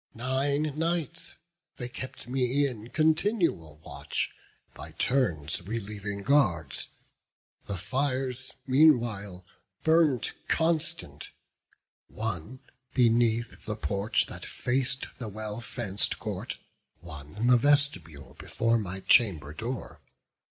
Nine nights they kept me in continual watch, By turns relieving guards. The fires meanwhile Burnt constant: one beneath the porch that fac'd The well fenc'd court; one in the vestibule Before my chamber door.